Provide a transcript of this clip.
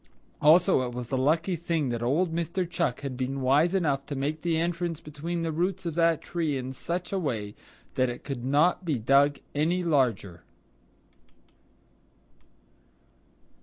Also, it was a lucky thing that old Mr. Chuck had been wise enough to make the entrance between the roots of that tree in such a way that it could not be dug any larger.